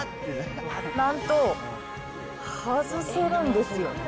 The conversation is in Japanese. なんと、外せるんですよ。